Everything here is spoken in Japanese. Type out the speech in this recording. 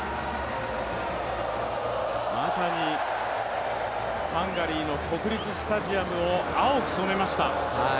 まさにハンガリーの国立スタジアムを青く染めました。